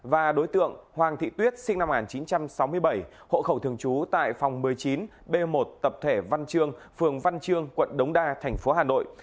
và đối tượng hoàng thị tuyết sinh năm một nghìn chín trăm sáu mươi bảy hộ khẩu thường trú tại phòng một mươi chín b một tập thể văn trương phường văn chương quận đống đa thành phố hà nội